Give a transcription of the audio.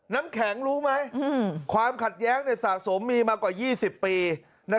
น้ำแข็งรู้ไหมความขัดแย้งสะสมมีมากว่า๒๐ปี